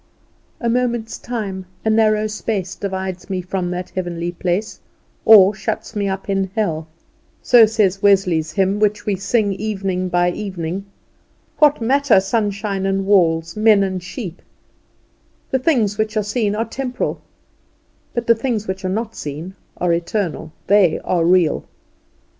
"A moment's time, a narrow space, Divides me from that heavenly place, Or shuts me up in hell." So says Wesley's hymn, which we sing evening by evening. What matter sunshine and walls, men and sheep? "The things which are seen are temporal, but the things which are not seen are eternal." They are real.